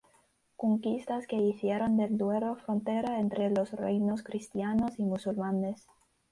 Conquistas que hicieron del Duero frontera entre los reinos cristianos y musulmanes.